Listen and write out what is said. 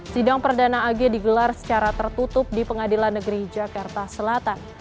sidang perdana ag digelar secara tertutup di pengadilan negeri jakarta selatan